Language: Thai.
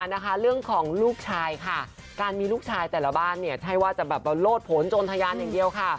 เนื่องของลูกชายมีลูกชายมีสิ่งแบบโลดโผลตโจรไทยันอย่างเดียว